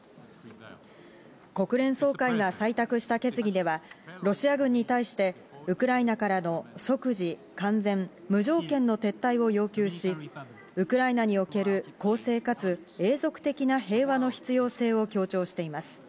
国連総会が採択した決議では、ロシア軍に対してウクライナからの即時、完全、無条件の撤退を要求し、ウクライナにおける公正かつ永続的な平和の必要性を強調しています。